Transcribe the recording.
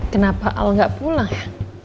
kenapa al gak pulang ya